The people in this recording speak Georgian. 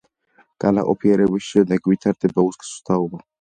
განაყოფიერების შემდეგ ვითარდება უსქესო თაობა.